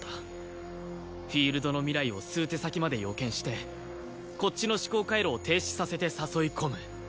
フィールドの未来を数手先まで予見してこっちの思考回路を停止させて誘い込む。